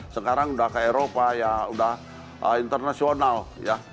sekarang sudah ke eropa ya sudah internasional ya